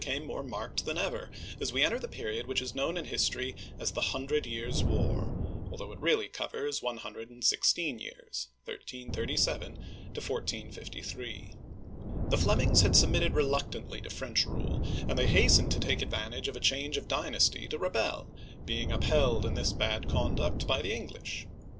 (1328 1350) 147 came more marked than ever, as we enter the period which is known in history as " the Hundred Years' War," although it really covers one hundred and sixteen years (1337 1453). The Flemings had submitted reluctantly to French rule, and they hastened to take advantage of a change of dynasty to rebel, being upheld in this bad conduct by the English.